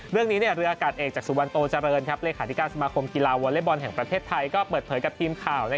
เรืออากาศเอกจากสุวรรณโตเจริญเลขาธิการสมาคมกีฬาวอเล็กบอลแห่งประเทศไทยก็เปิดเผยกับทีมข่าว